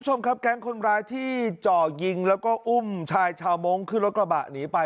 คุณผู้ชมครับแก๊งคนร้ายที่จ่อยิงแล้วก็อุ้มชายชาวมงค์ขึ้นรถกระบะหนีไป